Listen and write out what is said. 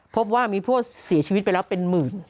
พบว่ามีผู้เสียชีวิตไปแล้วเป็นหมื่น